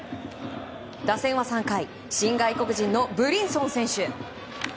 打線は３回、新外国人のブリンソン選手。